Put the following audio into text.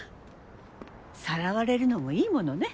さらわれるのもいいものね。